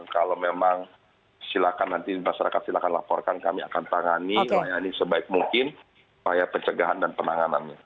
kalau memang silakan nanti masyarakat silakan laporkan kami akan tangani layani sebaik mungkin upaya pencegahan dan penanganannya